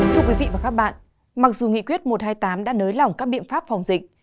thưa quý vị và các bạn mặc dù nghị quyết một trăm hai mươi tám đã nới lỏng các biện pháp phòng dịch